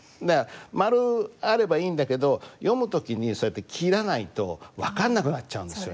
マルあればいいんだけど読む時にそうやって切らないと分かんなくなっちゃうんですよ